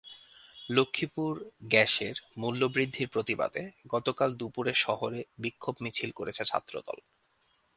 লক্ষ্মীপুর গ্যাসের মূল্যবৃদ্ধির প্রতিবাদে গতকাল দুপুরে শহরে বিক্ষোভ মিছিল করেছে ছাত্রদল।